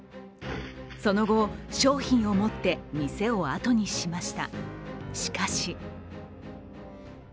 その後、商品を持って店をあとにしました。